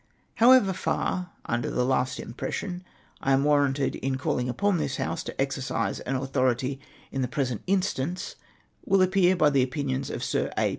" How far, under the last impression, I am warranted in calling upon this House to exercise an authority in the pre sent instance, will appear by the opinions of Sir A.